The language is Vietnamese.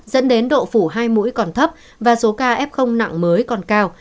dẫn đến độ phủ hai mũi còn thấp và số ca f nặng mới còn cao